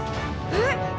えっ？